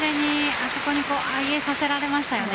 あそこに上げさせられましたよね。